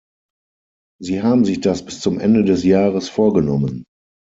Sie haben sich das bis zum Ende des Jahres vorgenommen.